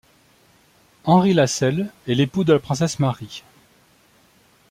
Henry Lascelles est l'époux de la princesse Mary.